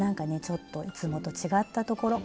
ちょっといつもと違ったところ。